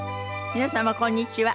皆様こんにちは。